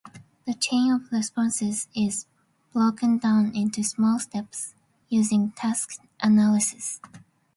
The chain of responses is broken down into small steps using task analysis.